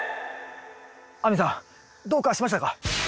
亜美さんどうかしましたか？